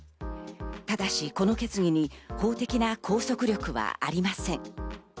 ただし、この決議に法的な拘束力はありません。